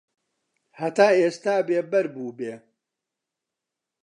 هەتا ئێستا بێبەر بووبێ